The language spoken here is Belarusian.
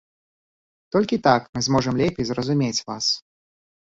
Толькі так мы зможам лепей зразумець вас.